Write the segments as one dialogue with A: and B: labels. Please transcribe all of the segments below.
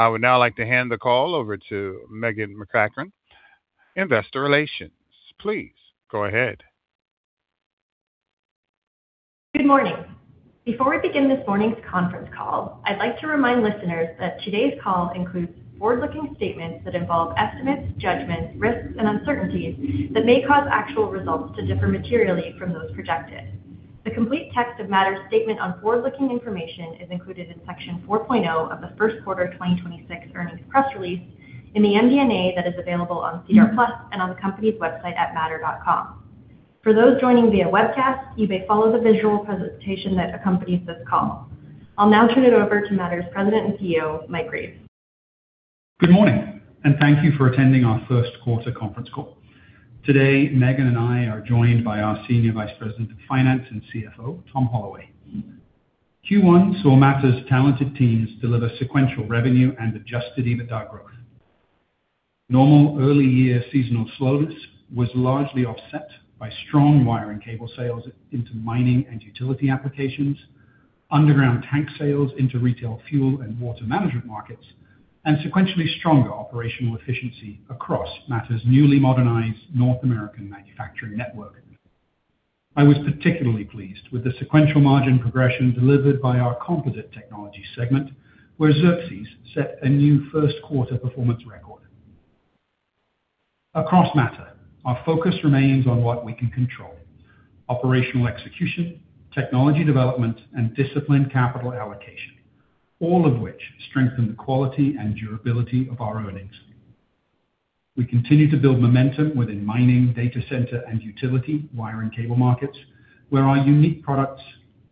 A: I would now like to hand the call over to Meghan MacEachern, Investor Relations. Please go ahead.
B: Good morning. Before we begin this morning's conference call, I'd like to remind listeners that today's call includes forward-looking statements that involve estimates, judgments, risks, and uncertainties that may cause actual results to differ materially from those projected. The complete text of Mattr's statement on forward-looking information is included in Section 4.0 of the first quarter 2026 earnings press release in the MD&A that is available on SEDAR+ and on the company's website at mattr.com. For those joining via webcast, you may follow the visual presentation that accompanies this call. I'll now turn it over to Mattr's President and CEO, Mike Reeves.
C: Good morning, and thank you for attending our 1st quarter conference call. Today, Meghan and I are joined by our Senior Vice President of Finance and CFO, Tom Holloway. Q1 saw Mattr's talented teams deliver sequential revenue and adjusted EBITDA growth. Normal early year seasonal slowness was largely offset by strong wire and cable sales into mining and utility applications, underground tank sales into retail fuel and water management markets, and sequentially stronger operational efficiency across Mattr's newly modernized North American manufacturing network. I was particularly pleased with the sequential margin progression delivered by our Composite Technologies segment, where Xerxes set a new first-quarter performance record. Across Mattr, our focus remains on what we can control. Operational execution, technology development, and disciplined capital allocation, all of which strengthen the quality and durability of our earnings. We continue to build momentum within mining, data center, and utility wire and cable markets, where our unique products,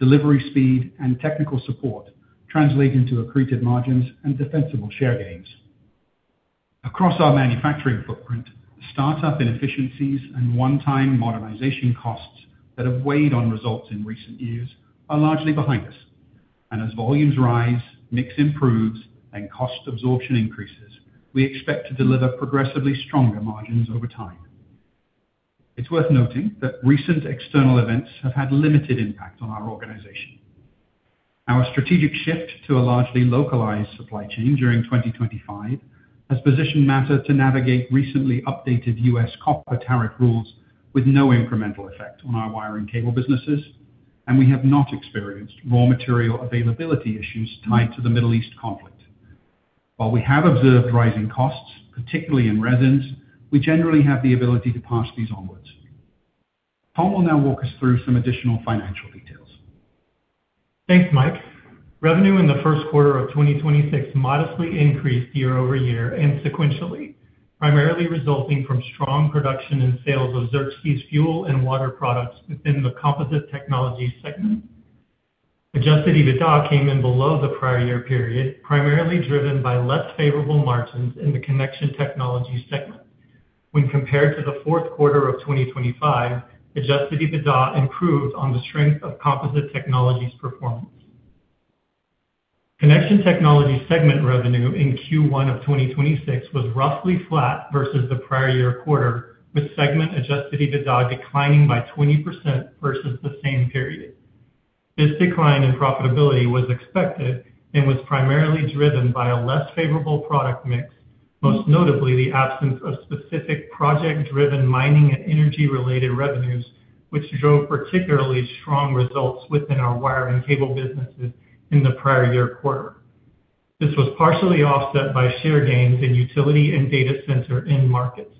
C: delivery speed, and technical support translate into accreted margins and defensible share gains. Across our manufacturing footprint, the startup inefficiencies and one-time modernization costs that have weighed on results in recent years are largely behind us. As volumes rise, mix improves, and cost absorption increases, we expect to deliver progressively stronger margins over time. It's worth noting that recent external events have had limited impact on our organization. Our strategic shift to a largely localized supply chain during 2025 has positioned Mattr to navigate recently updated U.S. copper tariff rules with no incremental effect on our wire and cable businesses, and we have not experienced raw material availability issues tied to the Middle East conflict. While we have observed rising costs, particularly in resins, we generally have the ability to pass these onwards. Tom will now walk us through some additional financial details.
D: Thanks, Mike. Revenue in the first quarter of 2026 modestly increased year-over-year and sequentially, primarily resulting from strong production and sales of Xerxes fuel and water products within the Composite Technologies segment. Adjusted EBITDA came in below the prior year period, primarily driven by less favorable margins in the Connection Technologies segment. When compared to the fourth quarter of 2025, adjusted EBITDA improved on the strength of Composite Technologies performance. Connection Technologies segment revenue in Q1 of 2026 was roughly flat versus the prior year quarter, with segment adjusted EBITDA declining by 20% versus the same period. This decline in profitability was expected and was primarily driven by a less favorable product mix, most notably the absence of specific project-driven mining and energy-related revenues, which drove particularly strong results within our wire and cable businesses in the prior year quarter. This was partially offset by share gains in utility and data center end markets.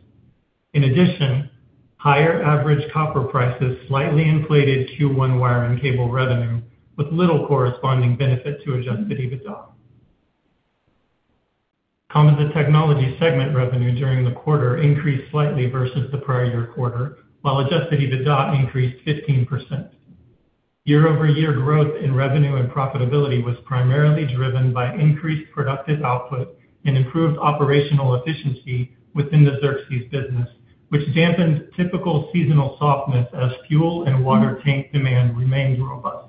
D: In addition, higher average copper prices slightly inflated Q1 wire and cable revenue with little corresponding benefit to adjusted EBITDA. Composite Technologies segment revenue during the quarter increased slightly versus the prior year quarter, while adjusted EBITDA increased 15%. Year-over-year growth in revenue and profitability was primarily driven by increased productive output and improved operational efficiency within the Xerxes business, which dampened typical seasonal softness as fuel and water tank demand remained robust.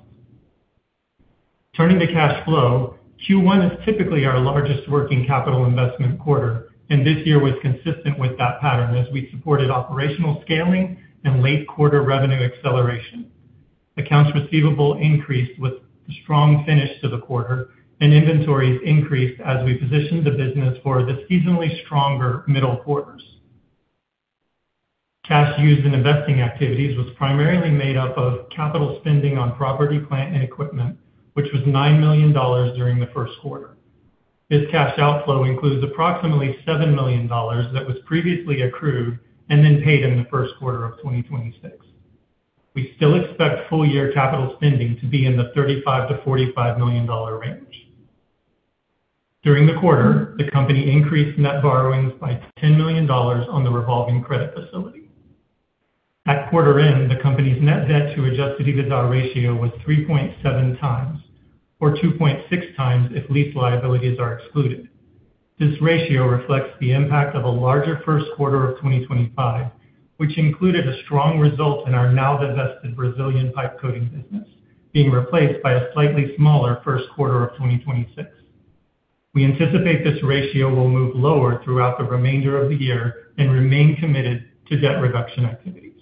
D: Turning to cash flow, Q1 is typically our largest working capital investment quarter, and this year was consistent with that pattern as we supported operational scaling and late quarter revenue acceleration. Accounts receivable increased with strong finish to the quarter and inventories increased as we positioned the business for the seasonally stronger middle quarters. Cash used in investing activities was primarily made up of capital spending on property, plant, and equipment, which was 9 million dollars during the first quarter. This cash outflow includes approximately 7 million dollars that was previously accrued and then paid in the first quarter of 2026. We still expect full year capital spending to be in the 35-45 million dollar range. During the quarter, the company increased net borrowings by 10 million dollars on the revolving credit facility. At quarter end, the company's net debt to adjusted EBITDA ratio was 3.7x, or 2.6x if lease liabilities are excluded. This ratio reflects the impact of a larger first quarter of 2025, which included a strong result in our now divested Brazilian pipe coating business, being replaced by a slightly smaller first quarter of 2026. We anticipate this ratio will move lower throughout the remainder of the year and remain committed to debt reduction activities.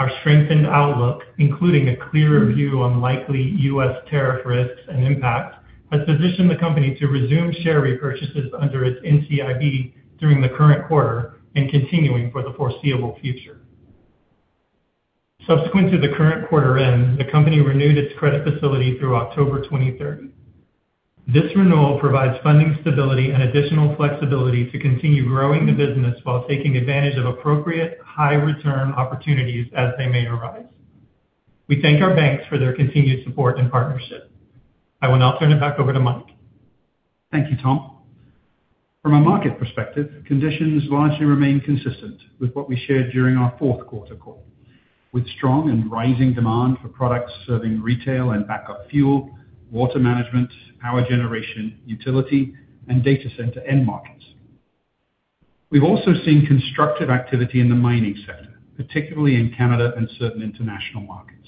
D: Our strengthened outlook, including a clear view on likely U.S. tariff risks and impact, has positioned the company to resume share repurchases under its NCIB during the current quarter and continuing for the foreseeable future. Subsequent to the current quarter end, the company renewed its credit facility through October 2030. This renewal provides funding stability and additional flexibility to continue growing the business while taking advantage of appropriate high return opportunities as they may arise. We thank our banks for their continued support and partnership. I will now turn it back over to Mike.
C: Thank you, Tom. From a market perspective, conditions largely remain consistent with what we shared during our fourth quarter call. With strong and rising demand for products serving retail and backup fuel, water management, power generation, utility, and data center end markets. We've also seen constructive activity in the mining sector, particularly in Canada and certain international markets.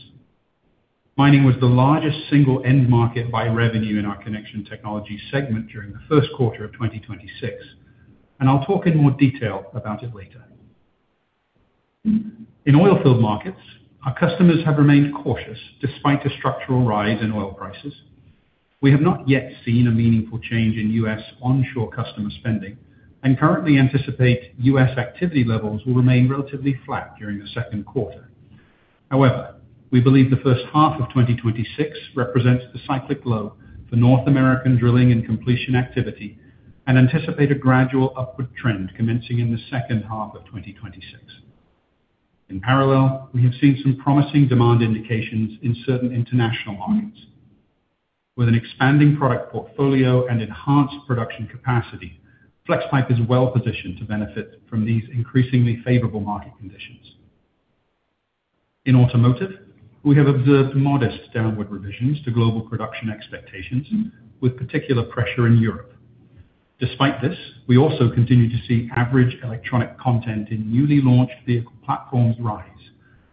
C: Mining was the largest single end market by revenue in our Connection Technologies segment during the first quarter of 2026, and I'll talk in more detail about it later. In oil field markets, our customers have remained cautious despite a structural rise in oil prices. We have not yet seen a meaningful change in U.S. onshore customer spending and currently anticipate U.S. activity levels will remain relatively flat during the second quarter. However, we believe the first half of 2026 represents the cyclic low for North American drilling and completion activity and anticipate a gradual upward trend commencing in the second half of 2026. In parallel, we have seen some promising demand indications in certain international markets. With an expanding product portfolio and enhanced production capacity, Flexpipe is well positioned to benefit from these increasingly favorable market conditions. In automotive, we have observed modest downward revisions to global production expectations with particular pressure in Europe. Despite this, we also continue to see average electronic content in newly launched vehicle platforms rise,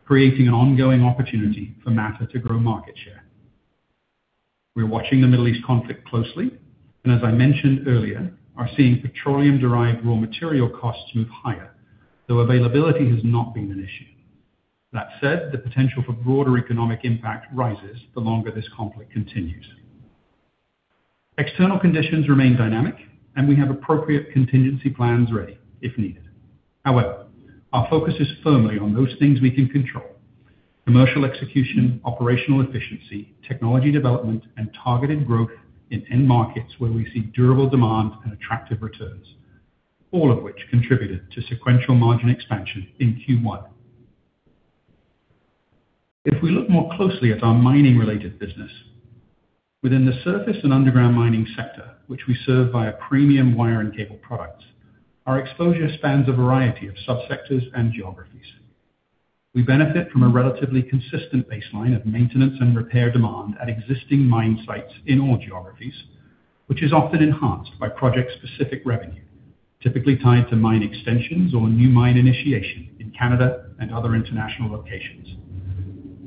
C: creating an ongoing opportunity for Mattr to grow market share. We're watching the Middle East conflict closely, and as I mentioned earlier, are seeing petroleum-derived raw material costs move higher, though availability has not been an issue. That said, the potential for broader economic impact rises the longer this conflict continues. External conditions remain dynamic, and we have appropriate contingency plans ready if needed. However, our focus is firmly on those things we can control: commercial execution, operational efficiency, technology development, and targeted growth in end markets where we see durable demand and attractive returns, all of which contributed to sequential margin expansion in Q1. If we look more closely at our mining-related business, within the surface and underground mining sector, which we serve via premium wire and cable products, our exposure spans a variety of subsectors and geographies. We benefit from a relatively consistent baseline of maintenance and repair demand at existing mine sites in all geographies, which is often enhanced by project-specific revenue, typically tied to mine extensions or new mine initiation in Canada and other international locations.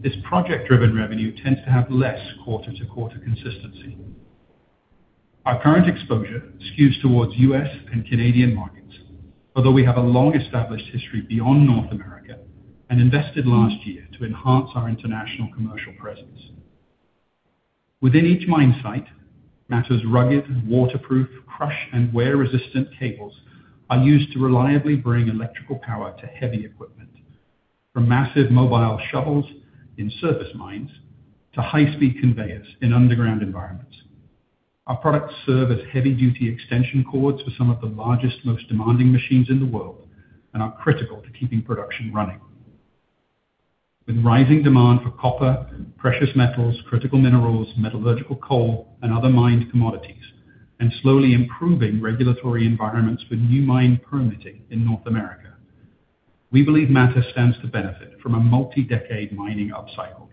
C: This project-driven revenue tends to have less quarter-to-quarter consistency. Our current exposure skews towards U.S. and Canadian markets, although we have a long-established history beyond North America and invested last year to enhance our international commercial presence. Within each mine site, Mattr's rugged, waterproof, crush and wear-resistant cables are used to reliably bring electrical power to heavy equipment, from massive mobile shuttles in surface mines to high-speed conveyors in underground environments. Our products serve as heavy-duty extension cords for some of the largest, most demanding machines in the world and are critical to keeping production running. With rising demand for copper, precious metals, critical minerals, metallurgical coal and other mined commodities, and slowly improving regulatory environments for new mine permitting in North America, we believe Mattr stands to benefit from a multi-decade mining upcycle,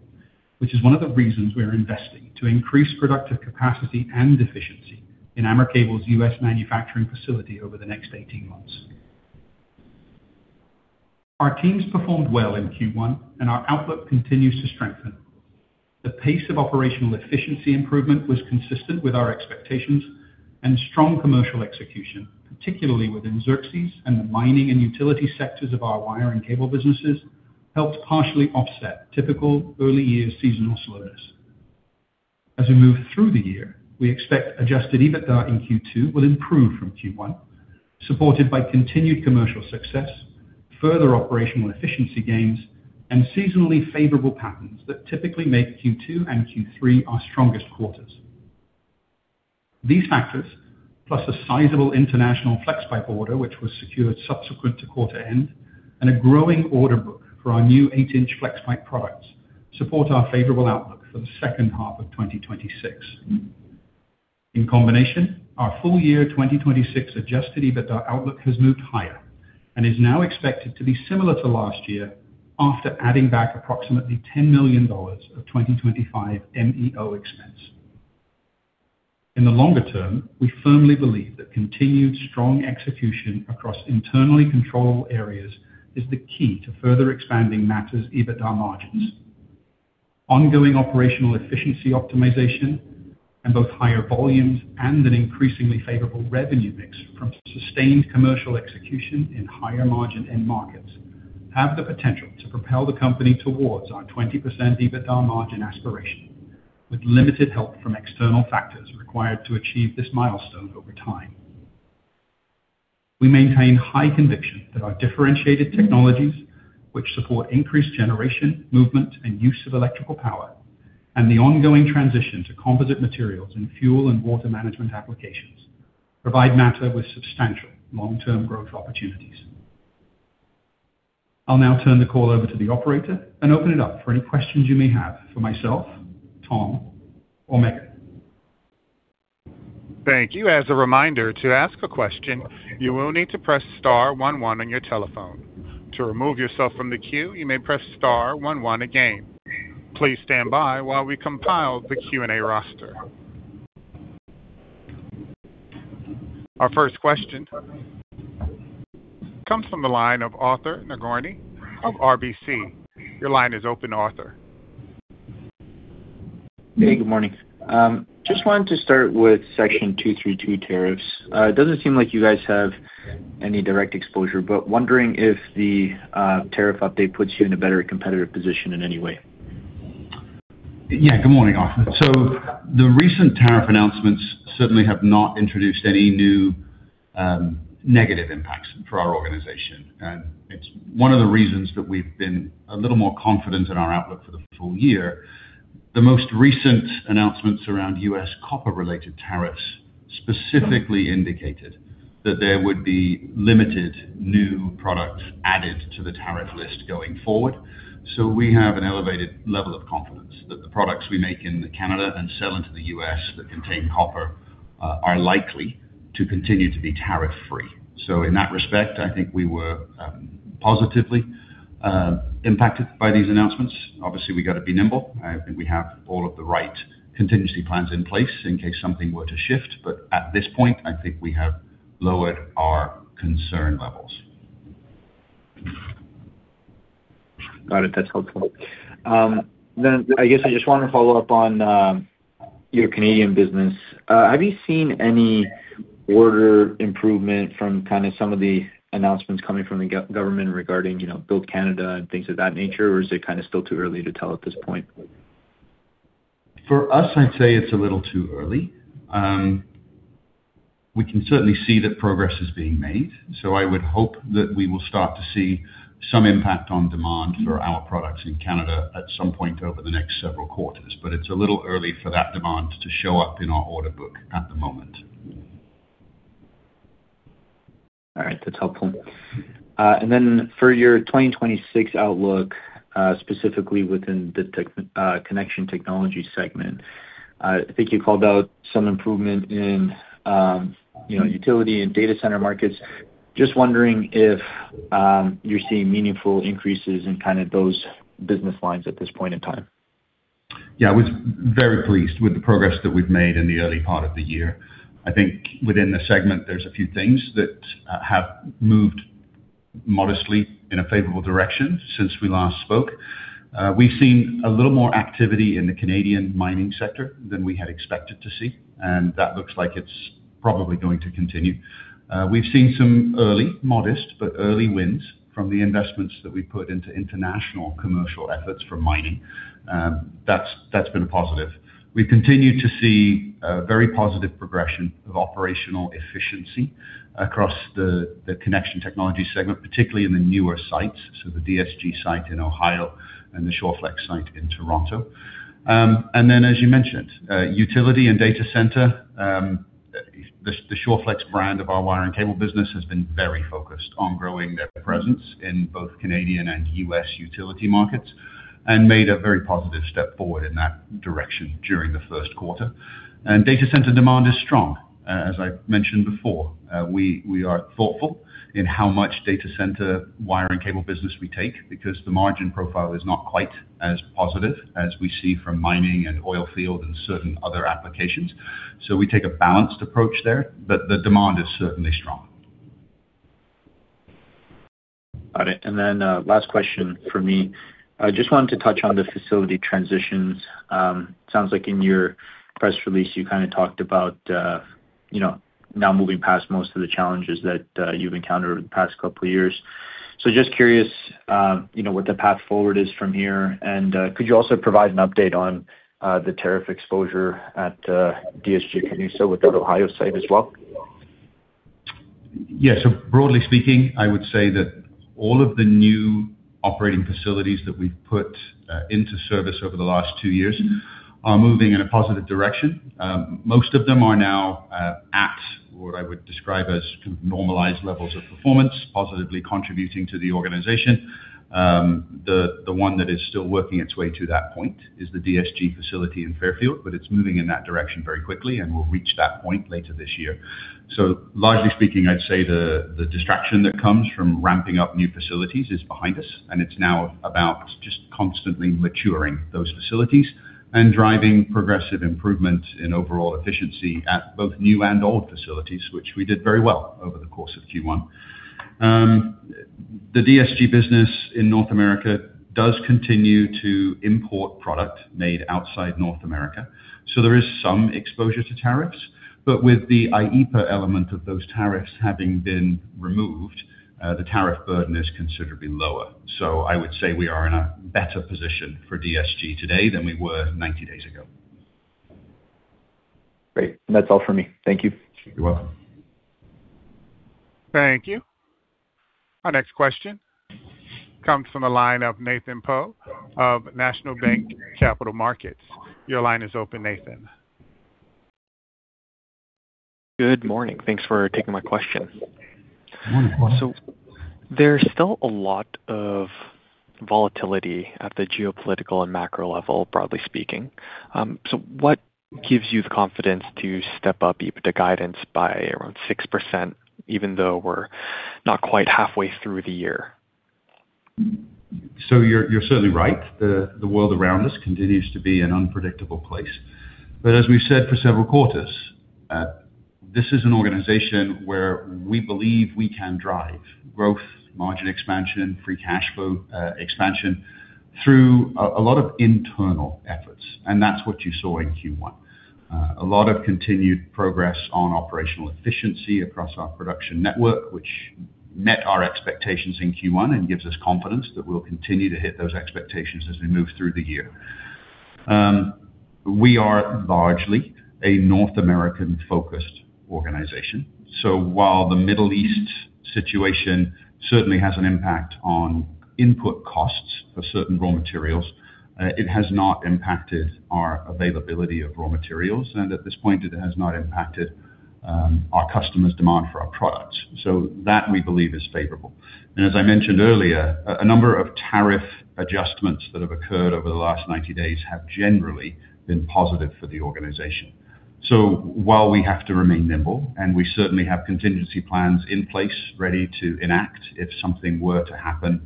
C: which is one of the reasons we are investing to increase productive capacity and efficiency in AmerCable's U.S. manufacturing facility over the next 18 months. Our teams performed well in Q1, and our outlook continues to strengthen. The pace of operational efficiency improvement was consistent with our expectations, and strong commercial execution, particularly within Xerxes and the mining and utility sectors of our wire and cable businesses, helped partially offset typical early year seasonal slowness. As we move through the year, we expect adjusted EBITDA in Q2 will improve from Q1, supported by continued commercial success, further operational efficiency gains, and seasonally favorable patterns that typically make Q2 and Q3 our strongest quarters. These factors, plus a sizable international Flexpipe order, which was secured subsequent to quarter end, and a growing order book for our new eight-inch Flexpipe products support our favorable outlook for the second half of 2026. In combination, our full year 2026 adjusted EBITDA outlook has moved higher and is now expected to be similar to last year after adding back approximately 10 million dollars of 2025 MEO expense. In the longer term, we firmly believe that continued strong execution across internally controllable areas is the key to further expanding Mattr's EBITDA margins. Ongoing operational efficiency optimization and both higher volumes and an increasingly favorable revenue mix from sustained commercial execution in higher margin end markets have the potential to propel the company towards our 20% EBITDA margin aspiration, with limited help from external factors required to achieve this milestone over time. We maintain high conviction that our differentiated technologies, which support increased generation, movement, and use of electrical power, and the ongoing transition to composite materials in fuel and water management applications, provide Mattr with substantial long-term growth opportunities. I'll now turn the call over to the operator and open it up for any questions you may have for myself, Tom or Meghan.
A: Thank you. As a reminder, to ask a question, you will need to press star one one on your telephone. To remove yourself from the queue, you may press star one one again. Please stand by while we compile the Q&A roster. Our first question comes from the line of Arthur Nagorny of RBC. Your line is open, Arthur.
E: Hey, good morning. Just wanted to start with Section 232 tariffs. It doesn't seem like you guys have any direct exposure, but wondering if the tariff update puts you in a better competitive position in any way?
C: Good morning, Arthur. The recent tariff announcements certainly have not introduced any new negative impacts for our organization, and it's one of the reasons that we've been a little more confident in our outlook for the full year. The most recent announcements around U.S. copper-related tariffs specifically indicated that there would be limited new products added to the tariff list going forward. We have an elevated level of confidence that the products we make in Canada and sell into the U.S. that contain copper are likely to continue to be tariff-free. In that respect, I think we were positively impacted by these announcements. Obviously, we got to be nimble. I think we have all of the right contingency plans in place in case something were to shift, but at this point, I think we have lowered our concern levels.
E: Got it. That's helpful. I guess I just want to follow up on your Canadian business. Have you seen any order improvement from kind of some of the announcements coming from the government regarding, you know, Build Canada and things of that nature? Or is it kind of still too early to tell at this point?
C: For us, I'd say it's a little too early. We can certainly see that progress is being made. I would hope that we will start to see some impact on demand for our products in Canada at some point over the next several quarters. It's a little early for that demand to show up in our order book at the moment.
E: All right. That's helpful. For your 2026 outlook, specifically within the Connection Technologies segment, I think you called out some improvement in, you know, utility and data center markets. Just wondering if you're seeing meaningful increases in kind of those business lines at this point in time?
C: Yeah, I was very pleased with the progress that we've made in the early part of the year. I think within the segment, there's a few things that have moved modestly in a favorable direction since we last spoke. We've seen a little more activity in the Canadian mining sector than we had expected to see, and that looks like it's probably going to continue. We've seen some early, modest, but early wins from the investments that we put into international commercial efforts for mining. That's been a positive. We continue to see a very positive progression of operational efficiency across the Connection Technologies segment, particularly in the newer sites, so the DSG-Canusa site in Ohio and the Shawflex site in Toronto. As you mentioned, utility and data center, the Shawflex brand of our wire and cable business has been very focused on growing their presence in both Canadian and U.S. utility markets and made a very positive step forward in that direction during the first quarter. Data center demand is strong. As I mentioned before, we are thoughtful in how much data center wire and cable business we take because the margin profile is not quite as positive as we see from mining and oil field and certain other applications. We take a balanced approach there, but the demand is certainly strong.
E: Got it. Last question from me. I just wanted to touch on the facility transitions. Sounds like in your press release you kind of talked about, you know, now moving past most of the challenges that you've encountered over the past couple of years. Just curious, you know, what the path forward is from here, and could you also provide an update on the tariff exposure at DSG-Canusa with that Ohio site as well?
C: Broadly speaking, I would say that all of the new operating facilities that we've put into service over the last two years are moving in a positive direction. Most of them are now at what I would describe as kind of normalized levels of performance, positively contributing to the organization. The one that is still working its way to that point is the DSG-Canusa facility in Fairfield, but it's moving in that direction very quickly, and we'll reach that point later this year. Largely speaking, I'd say the distraction that comes from ramping up new facilities is behind us, and it's now about just constantly maturing those facilities and driving progressive improvement in overall efficiency at both new and old facilities, which we did very well over the course of Q1. The DSG business in North America does continue to import product made outside North America, so there is some exposure to tariffs. With the IEEPA element of those tariffs having been removed, the tariff burden is considerably lower. I would say we are in a better position for DSG today than we were 90 days ago.
E: Great. That's all for me. Thank you.
C: You're welcome.
A: Thank you. Our next question comes from the line of Nathan Poe of National Bank Capital Markets. Your line is open, Nathan.
F: Good morning. Thanks for taking my question.
C: Good morning.
F: There's still a lot of volatility at the geopolitical and macro level, broadly speaking. What gives you the confidence to step up EBITDA guidance by around 6% even though we're not quite halfway through the year?
C: You're certainly right. The world around us continues to be an unpredictable place. As we've said for several quarters, this is an organization where we believe we can drive growth, margin expansion, free cash flow expansion through a lot of internal efforts, and that's what you saw in Q1. A lot of continued progress on operational efficiency across our production network, which met our expectations in Q1 and gives us confidence that we'll continue to hit those expectations as we move through the year. We are largely a North American-focused organization. While the Middle East situation certainly has an impact on input costs for certain raw materials, it has not impacted our availability of raw materials, and at this point, it has not impacted our customers' demand for our products. That, we believe, is favorable. As I mentioned earlier, a number of tariff adjustments that have occurred over the last 90 days have generally been positive for the organization. While we have to remain nimble, and we certainly have contingency plans in place ready to enact if something were to happen,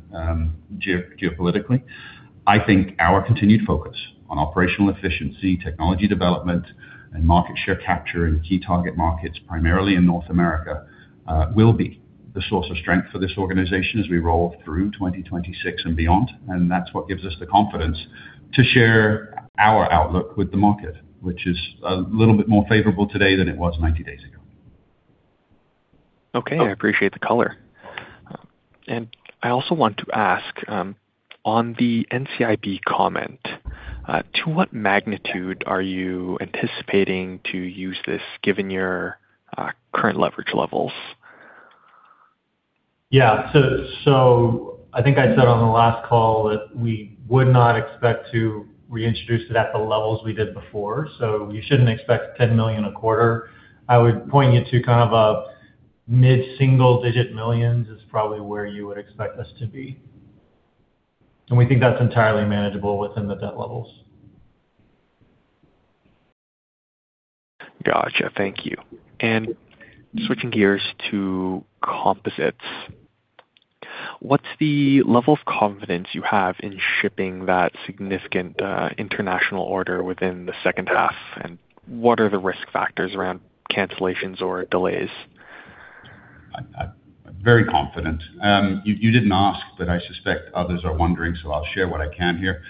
C: geopolitically, I think our continued focus on operational efficiency, technology development, and market share capture in key target markets, primarily in North America, will be the source of strength for this organization as we roll through 2026 and beyond, that's what gives us the confidence to share our outlook with the market, which is a little bit more favorable today than it was 90 days ago.
F: Okay. I appreciate the color. I also want to ask on the NCIB comment, to what magnitude are you anticipating to use this given your current leverage levels?
D: I think I said on the last call that we would not expect to reintroduce it at the levels we did before, you shouldn't expect 10 million a quarter. I would point you to kind of a CAD mid-single digit millions is probably where you would expect us to be. We think that's entirely manageable within the debt levels.
F: Gotcha. Thank you. Switching gears to composites, what's the level of confidence you have in shipping that significant international order within the second half, and what are the risk factors around cancellations or delays?
C: I'm very confident. You didn't ask, but I suspect others are wondering, so I'll share what I can here.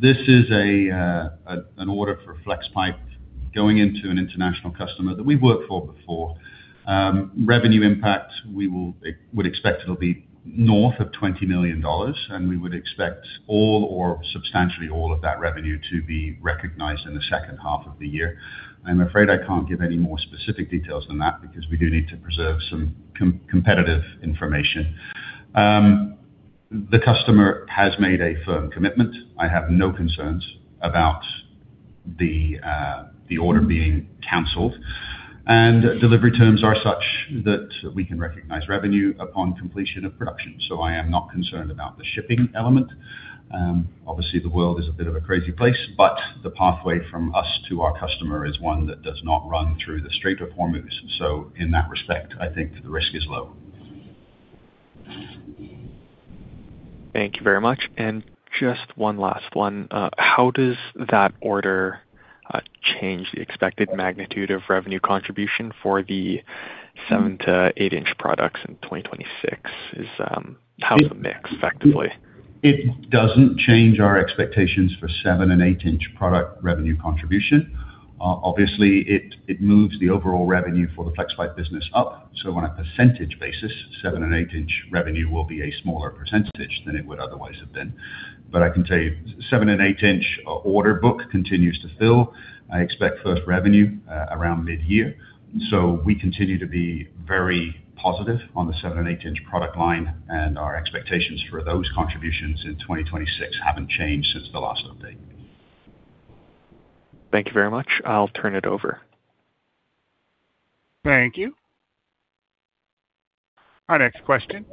C: This is an order for Flexpipe going into an international customer that we've worked for before. Revenue impact, we would expect it'll be north of 20 million dollars, and we would expect all or substantially all of that revenue to be recognized in the second half of the year. I'm afraid I can't give any more specific details than that because we do need to preserve some competitive information. The customer has made a firm commitment. I have no concerns about the order being canceled. Delivery terms are such that we can recognize revenue upon completion of production, so I am not concerned about the shipping element. Obviously the world is a bit of a crazy place, but the pathway from us to our customer is one that does not run through the Strait of Hormuz. In that respect, I think the risk is low.
F: Thank you very much. Just one last one. How does that order change the expected magnitude of revenue contribution for the 7 to 8-inch products in 2026? How does it mix effectively?
C: It doesn't change our expectations for seven and eight-inch product revenue contribution. Obviously it moves the overall revenue for the Flexpipe business up, so on a percentage basis, seven and eight-inch revenue will be a smaller percentage than it would otherwise have been. I can tell you, seven and eight-inch order book continues to fill. I expect first revenue around mid-year. We continue to be very positive on the seven and eight-inch product line, and our expectations for those contributions in 2026 haven't changed since the last update.
F: Thank you very much. I'll turn it over.
A: Thank you. Our next question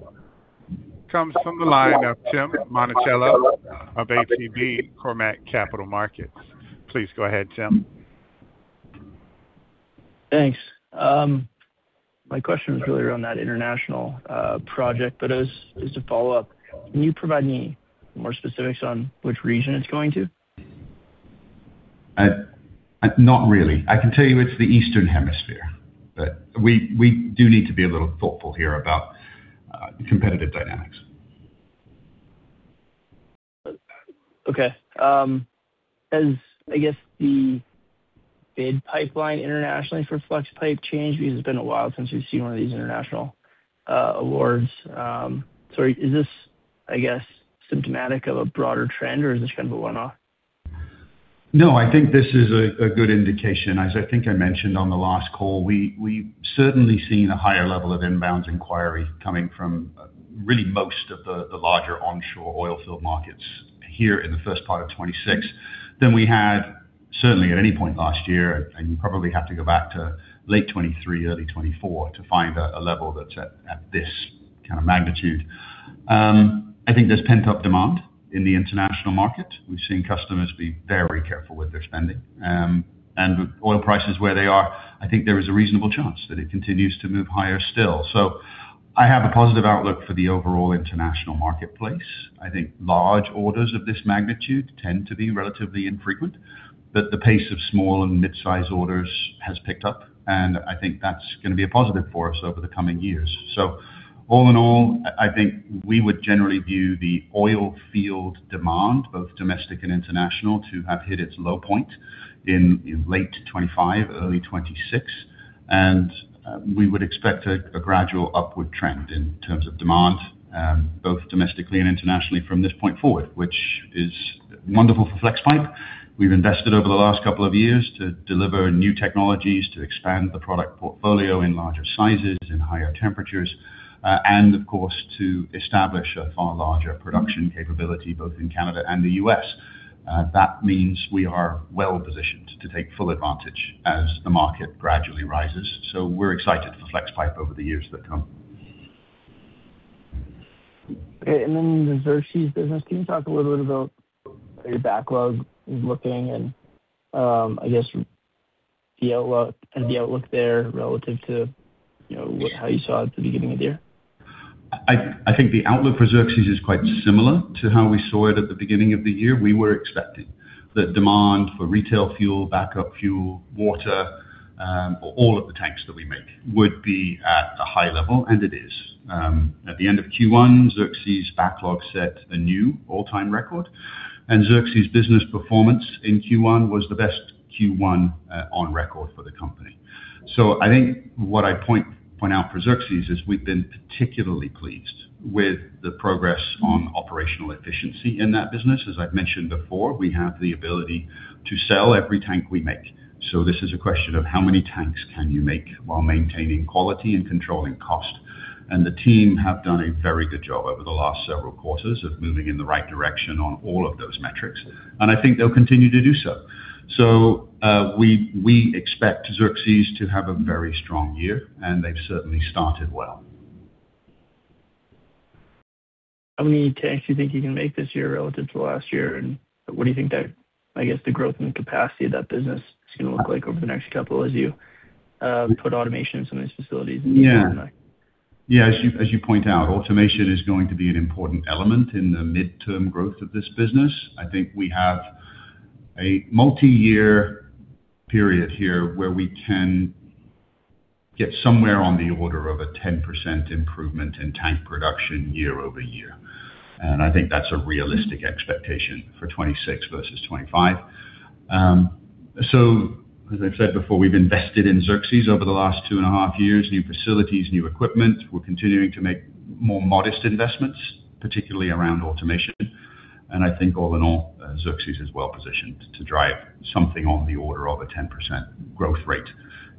A: comes from the line of Tim Monachello of ATB Cormark Capital Markets. Please go ahead, Tim.
G: Thanks. My question is really around that international project, but as a follow-up, can you provide any more specifics on which region it's going to?
C: not really. I can tell you it's the eastern hemisphere. We do need to be a little thoughtful here about competitive dynamics.
G: Okay. Has, I guess, the bid pipeline internationally for Flexpipe changed? It's been a while since we've seen one of these international awards. Is this, I guess, symptomatic of a broader trend, or is this kind of a one-off?
C: No, I think this is a good indication. As I think I mentioned on the last call, we've certainly seen a higher level of inbounds inquiry coming from really most of the larger onshore oil field markets here in the first part of 2026 than we had certainly at any point last year. You probably have to go back to late 2023, early 2024 to find a level that's at this kind of magnitude. I think there's pent-up demand in the international market. We've seen customers be very careful with their spending. With oil prices where they are, I think there is a reasonable chance that it continues to move higher still. I have a positive outlook for the overall international marketplace. I think large orders of this magnitude tend to be relatively infrequent, but the pace of small and mid-size orders has picked up, and I think that's gonna be a positive for us over the coming years. All in all, I think we would generally view the oil field demand, both domestic and international, to have hit its low point in late 25, early 26. We would expect a gradual upward trend in terms of demand, both domestically and internationally from this point forward, which is wonderful for Flexpipe. We've invested over the last couple of years to deliver new technologies, to expand the product portfolio in larger sizes and higher temperatures, and of course, to establish a far larger production capability both in Canada and the U.S. That means we are well-positioned to take full advantage as the market gradually rises. We're excited for Flexpipe over the years to come.
G: Okay. Then the Xerxes business, can you talk a little bit about how your backlog is looking and, I guess the outlook there relative to, you know, how you saw it at the beginning of the year?
C: I think the outlook for Xerxes is quite similar to how we saw it at the beginning of the year. We were expecting the demand for retail fuel, backup fuel, water, or all of the tanks that we make would be at a high level, and it is. At the end of Q1, Xerxes backlog set a new all-time record, and Xerxes business performance in Q1 was the best Q1 on record for the company. I think what I point out for Xerxes is we've been particularly pleased with the progress on operational efficiency in that business. As I've mentioned before, we have the ability to sell every tank we make. This is a question of how many tanks can you make while maintaining quality and controlling cost. The team have done a very good job over the last several quarters of moving in the right direction on all of those metrics, and I think they'll continue to do so. We expect Xerxes to have a very strong year, and they've certainly started well.
G: How many tanks do you think you can make this year relative to last year? What do you think that, I guess, the growth and capacity of that business is gonna look like over the next couple as you put automation in some of these facilities.
C: As you point out, automation is going to be an important element in the midterm growth of this business. I think we have a multi-year period here where we can get somewhere on the order of a 10% improvement in tank production year-over-year. I think that's a realistic expectation for 2026 versus 2025. As I've said before, we've invested in Xerxes over the last 2.5 years, new facilities, new equipment. We're continuing to make more modest investments, particularly around automation. I think all in all, Xerxes is well-positioned to drive something on the order of a 10% growth rate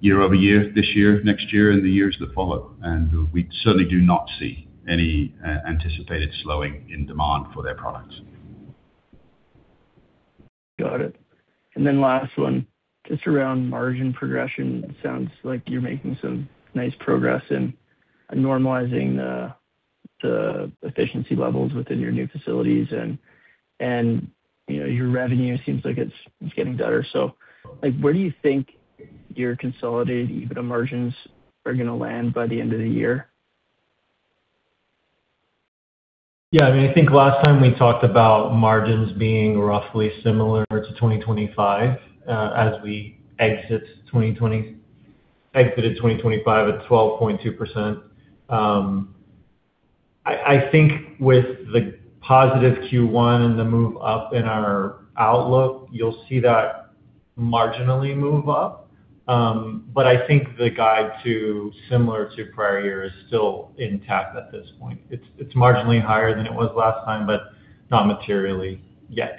C: year-over-year this year, next year and the years that follow. We certainly do not see any anticipated slowing in demand for their products.
G: Got it. Last one, just around margin progression. It sounds like you're making some nice progress in normalizing the efficiency levels within your new facilities and, you know, your revenue seems like it's getting better. Like, where do you think your consolidated EBITDA margins are gonna land by the end of the year?
D: I mean, I think last time we talked about margins being roughly similar to 2025, as we exited 2025 at 12.2%. I think with the positive Q1 and the move up in our outlook, you'll see that marginally move up. I think the guide to similar to prior year is still intact at this point. It's marginally higher than it was last time, not materially yet.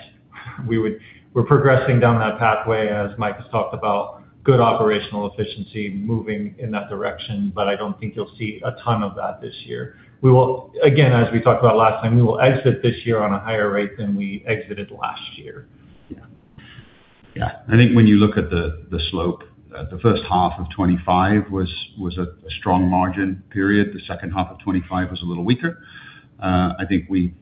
D: We're progressing down that pathway, as Mike has talked about, good operational efficiency moving in that direction, I don't think you'll see a ton of that this year. Again, as we talked about last time, we will exit this year on a higher rate than we exited last year.
C: Yeah. I think when you look at the slope, the first half of 2025 was a strong margin period. The second half of 2025 was a little weaker. I think we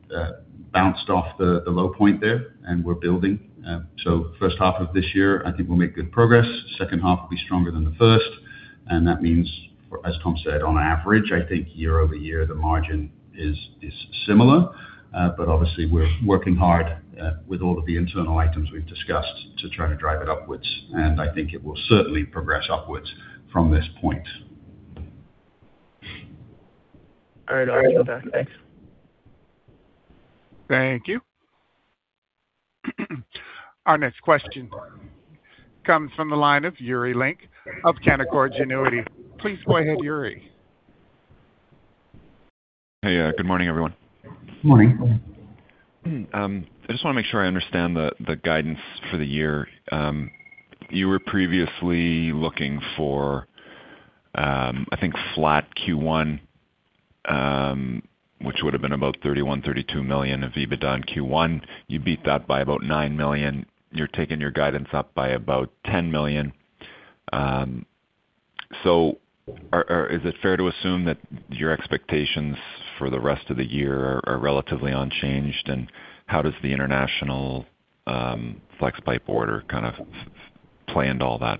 C: bounced off the low point there, and we're building. First half of this year, I think we'll make good progress. Second half will be stronger than the first. That means for, as Tom said, on average, I think year-over-year the margin is similar. Obviously we're working hard with all of the internal items we've discussed to try to drive it upwards, and I think it will certainly progress upwards from this point.
G: All right. I'll get back. Thanks.
A: Thank you. Our next question comes from the line of Yuri Lynk of Canaccord Genuity. Please go ahead, Yuri.
H: Hey, good morning, everyone.
C: Morning.
H: I just wanna make sure I understand the guidance for the year. You were previously looking for, I think flat Q1, which would have been about 31-32 million of EBITDA in Q1. You beat that by about 9 million. You're taking your guidance up by about 10 million. Is it fair to assume that your expectations for the rest of the year are relatively unchanged, and how does the international Flexpipe order kind of play into all that?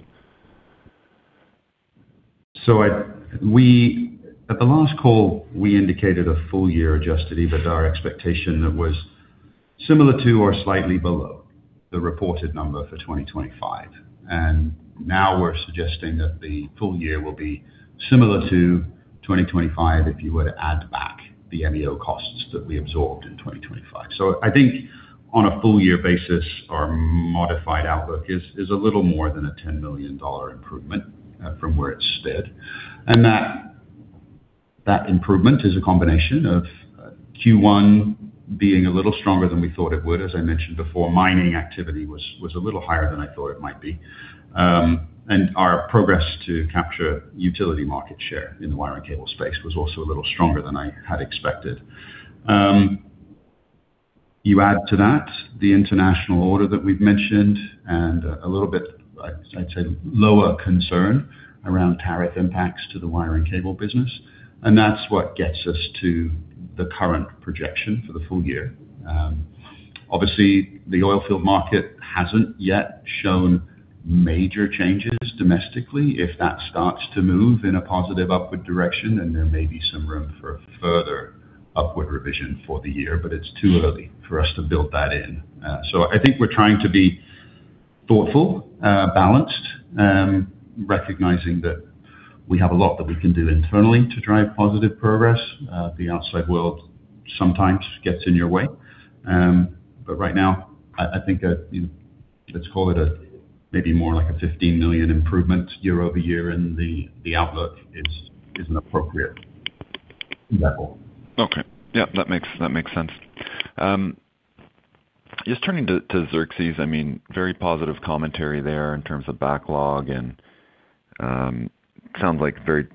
C: At the last call, we indicated a full year adjusted EBITDA expectation that was similar to or slightly below the reported number for 2025. Now we're suggesting that the full year will be similar to 2025 if you were to add back the MEO costs that we absorbed in 2025. I think on a full year basis, our modified outlook is a little more than a 10 million dollar improvement from where it stood. That improvement is a combination of Q1 being a little stronger than we thought it would. As I mentioned before, mining activity was a little higher than I thought it might be. Our progress to capture utility market share in the wire and cable space was also a little stronger than I had expected. You add to that the international order that we've mentioned and a little bit, I'd say, lower concern around tariff impacts to the wire and cable business, and that's what gets us to the current projection for the full year. Obviously, the oilfield market hasn't yet shown major changes domestically. If that starts to move in a positive upward direction, then there may be some room for further upward revision for the year, it's too early for us to build that in. I think we're trying to be thoughtful, balanced, recognizing that we have a lot that we can do internally to drive positive progress. The outside world sometimes gets in your way. Right now, I think that, you know, let's call it a maybe more like a 15 million improvement year-over-year and the outlook is an appropriate level.
H: Okay. Yeah, that makes, that makes sense. Just turning to Xerxes, I mean, very positive commentary there in terms of backlog and sounds like very,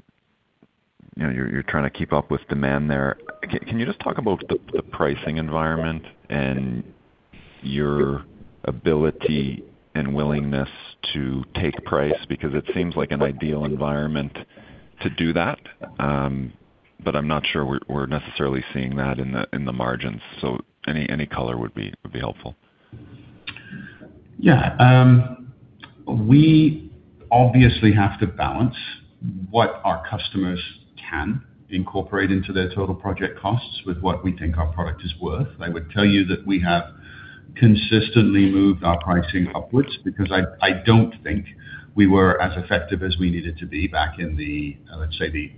H: you know, you're trying to keep up with demand there. Can you just talk about the pricing environment and your ability and willingness to take price? It seems like an ideal environment to do that, but I'm not sure we're necessarily seeing that in the margins. Any color would be helpful.
C: Yeah. We obviously have to balance what our customers can incorporate into their total project costs with what we think our product is worth. I would tell you that we have consistently moved our pricing upwards because I don't think we were as effective as we needed to be back in the, let's say, the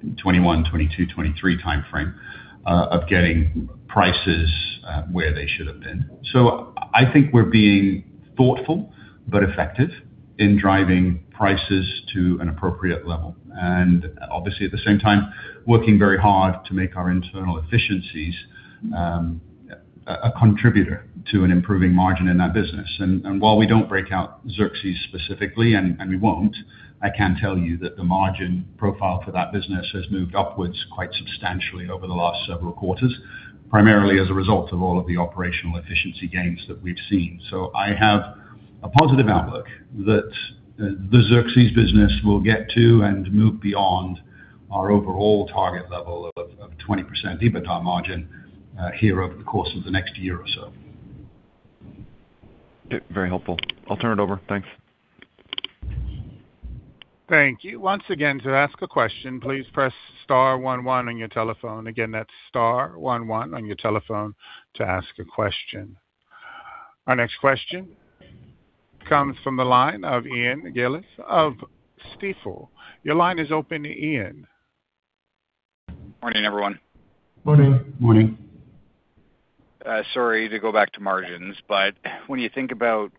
C: 2021, 2022, 2023 timeframe, of getting prices where they should have been. I think we're being thoughtful but effective in driving prices to an appropriate level. Obviously, at the same time, working very hard to make our internal efficiencies a contributor to an improving margin in that business. While we don't break out Xerxes specifically, and we won't, I can tell you that the margin profile for that business has moved upwards quite substantially over the last several quarters, primarily as a result of all of the operational efficiency gains that we've seen. I have a positive outlook that the Xerxes business will get to and move beyond our overall target level of 20% EBITDA margin here over the course of the next year or so.
H: Very helpful. I'll turn it over. Thanks.
A: Thank you. Once again, to ask a question, please press star one one on your telephone. Again, that's star one one on your telephone to ask a question. Our next question comes from the line of Ian Gillies of Stifel. Your line is open, Ian.
I: Morning, everyone.
C: Morning.
D: Morning.
I: Sorry to go back to margins, but when you think about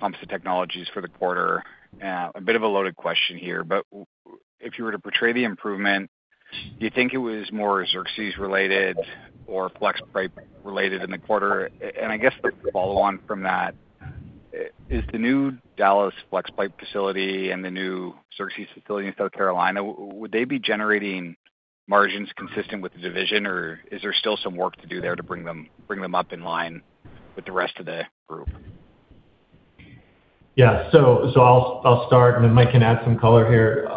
I: Composite Technologies for the quarter, a bit of a loaded question here, if you were to portray the improvement, do you think it was more Xerxes related or Flexpipe related in the quarter? I guess the follow on from that, is the new Dallas Flexpipe facility and the new Xerxes facility in South Carolina, would they be generating margins consistent with the division, or is there still some work to do there to bring them up in line with the rest of the group?
D: Yeah. I'll start and then Mike can add some color here.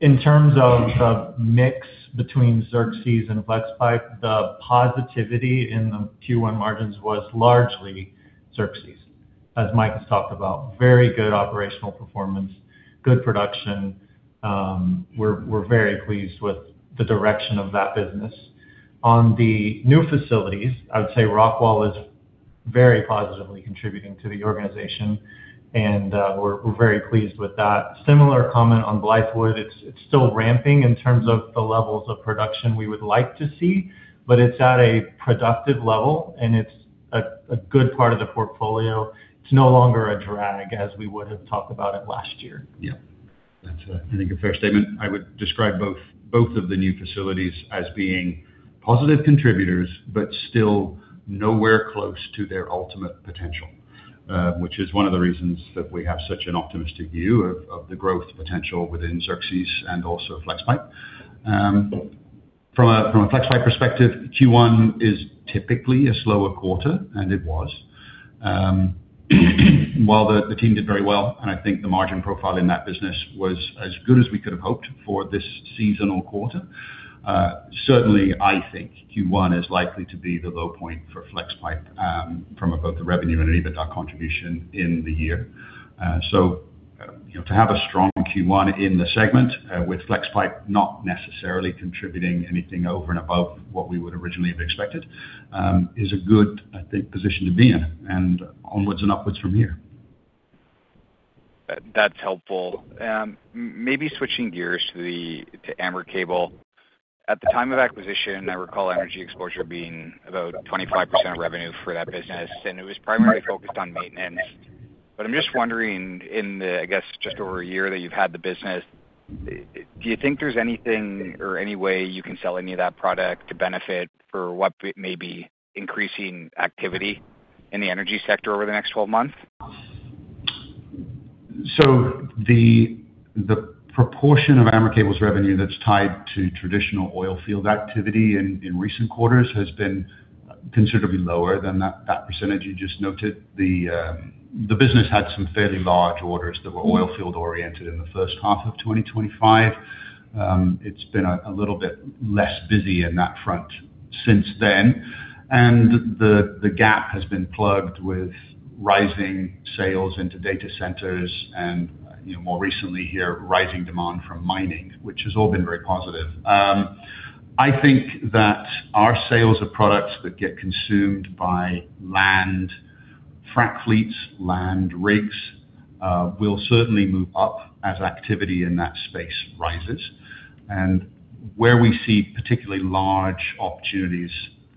D: In terms of the mix between Xerxes and Flexpipe, the positivity in the Q1 margins was largely Xerxes. As Mike has talked about, very good operational performance, good production. We're very pleased with the direction of that business. On the new facilities, I would say Rockwall is very positively contributing to the organization. We're very pleased with that. Similar comment on Blythewood. It's still ramping in terms of the levels of production we would like to see. It's at a productive level. It's a good part of the portfolio. It's no longer a drag, as we would have talked about it last year.
C: Yeah, that's, I think, a fair statement. I would describe both of the new facilities as being positive contributors, but still nowhere close to their ultimate potential, which is one of the reasons that we have such an optimistic view of the growth potential within Xerxes and also Flexpipe. From a Flexpipe perspective, Q1 is typically a slower quarter, and it was. While the team did very well, and I think the margin profile in that business was as good as we could have hoped for this seasonal quarter, certainly I think Q1 is likely to be the low point for Flexpipe, from both the revenue and EBITDA contribution in the year. You know, to have a strong Q1 in the segment, with Flexpipe not necessarily contributing anything over and above what we would originally have expected, is a good, I think, position to be in, and onwards and upwards from here.
I: That's helpful. Switching gears to AmerCable. At the time of acquisition, I recall energy exposure being about 25% of revenue for that business, and it was primarily focused on maintenance. I'm just wondering, in the, I guess, just over year that you've had the business, do you think there's anything or any way you can sell any of that product to benefit for what may be increasing activity in the energy sector over the next 12 months?
C: The, the proportion of AmerCable's revenue that's tied to traditional oil field activity in recent quarters has been considerably lower than that percentage you just noted. The, the business had some fairly large orders that were oil field-oriented in the first half of 2025. It's been a little bit less busy in that front since then. The, the gap has been plugged with rising sales into data centers and, you know, more recently here, rising demand from mining, which has all been very positive. I think that our sales of products that get consumed by land frac fleets, land rigs, will certainly move up as activity in that space rises. Where we see particularly large opportunities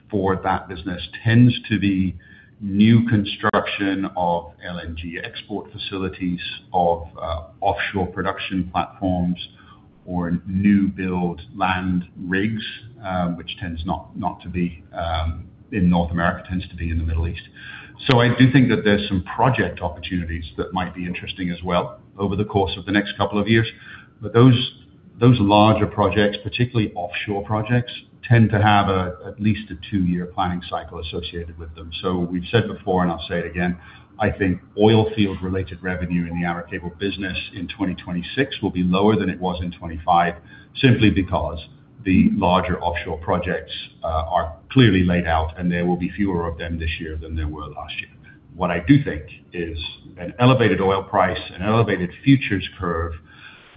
C: for that business tends to be new construction of LNG export facilities, of offshore production platforms or new build land rigs, which tends not to be in North America, tends to be in the Middle East. I do think that there's some project opportunities that might be interesting as well over the course of the next couple of years. Those larger projects, particularly offshore projects, tend to have at least a two-year planning cycle associated with them. We've said before, and I'll say it again, I think oil field-related revenue in the AmerCable business in 2026 will be lower than it was in 2025, simply because the larger offshore projects are clearly laid out, and there will be fewer of them this year than there were last year. What I do think is an elevated oil price, an elevated futures curve,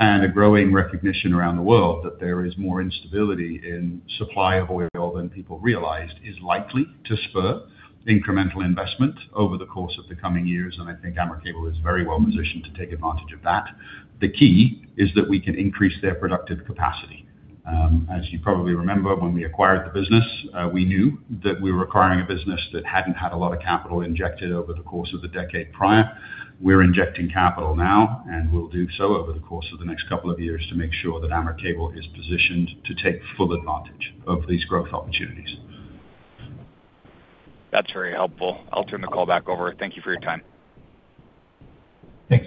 C: and a growing recognition around the world that there is more instability in supply of oil than people realized is likely to spur incremental investment over the course of the coming years, and I think AmerCable is very well positioned to take advantage of that. The key is that we can increase their productive capacity. As you probably remember, when we acquired the business, we knew that we were acquiring a business that hadn't had a lot of capital injected over the course of the decade prior. We're injecting capital now, and we'll do so over the course of the next couple of years to make sure that AmerCable is positioned to take full advantage of these growth opportunities.
I: That's very helpful. I'll turn the call back over. Thank you for your time.
C: Thanks.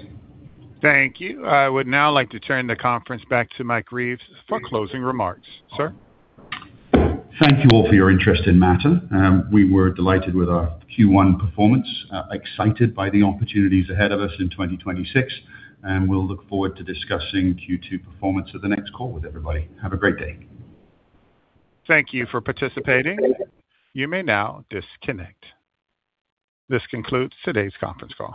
A: Thank you. I would now like to turn the conference back to Mike Reeves for closing remarks. Sir?
C: Thank you all for your interest in Mattr. We were delighted with our Q1 performance, excited by the opportunities ahead of us in 2026, and we'll look forward to discussing Q2 performance at the next call with everybody. Have a great day.
A: Thank you for participating. You may now disconnect. This concludes today's conference call.